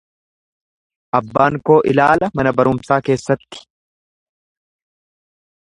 Abbaan koo ilaala mana barumsaa keessatti.